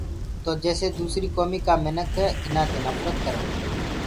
تو جيسي دوسريٚ ڪوميٚ ڪآ مِنک ايٚنآ دي نڦرت ڪَرينٚ۔